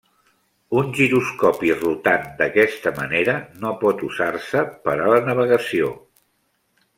Un giroscopi rotant d'aquesta manera no pot usar-se per a la navegació.